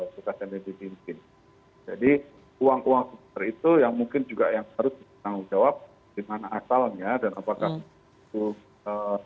dikasih mpd pimpin jadi uang uang itu yang mungkin juga yang harus ditanggung jawab dimana asalnya dan apakah